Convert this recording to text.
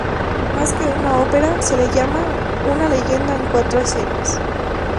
Más que una ópera, se le llama una "leyenda en cuatro escenas.